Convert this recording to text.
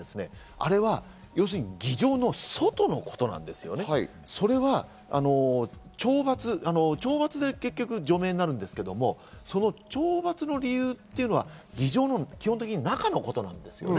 あれは議場の外のこと、それは懲罰で結局、除名になるんですけど、懲罰の理由というのは、議場の中のことなんですね。